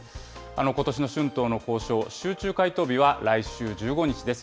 ことしの春闘の交渉、集中回答日は来週１５日です。